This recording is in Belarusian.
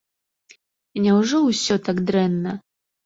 Няўжо ўсё так дрэнна?